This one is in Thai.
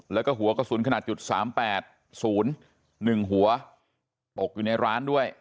แล้วก็หัวกระสุนขนาด๓๘๐๑หัวตกอยู่ในร้านด้วย